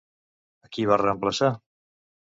A qui va reemplaçar?